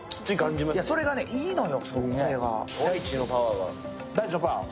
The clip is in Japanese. それがね、いいのよ。